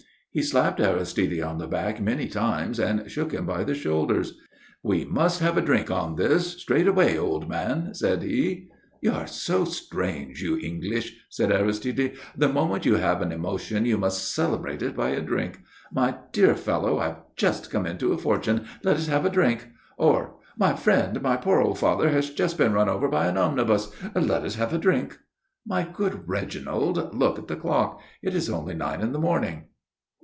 He slapped Aristide on the back many times and shook him by the shoulders. "We must have a drink on this straight away, old man," said he. "You're so strange, you English," said Aristide. "The moment you have an emotion you must celebrate it by a drink. 'My dear fellow, I've just come into a fortune; let us have a drink.' Or, 'My friend, my poor old father has just been run over by an omnibus; let us have a drink.' My good Reginald, look at the clock. It is only nine in the morning."